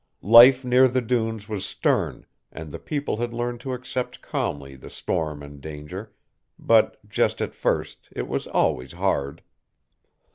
Life near the dunes was stern and the people had learned to accept calmly the storm and danger, but, just at first, it was always hard.